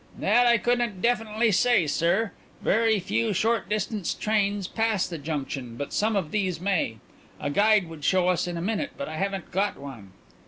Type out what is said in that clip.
"That I couldn't definitely say, sir. Very few short distance trains pass the junction, but some of those may. A guide would show us in a minute but I haven't got one."